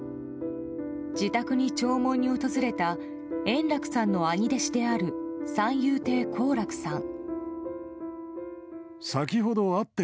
自宅に弔問に訪れた円楽さんの兄弟子である三遊亭好楽さん。